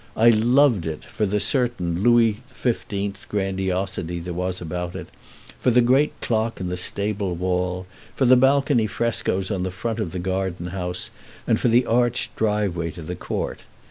I loved it for the certain Louis XV. grandiosity there was about it; for the great clock in the stable wall; for the balcony frescos on the front of the garden house, and for the arched driveway to the court.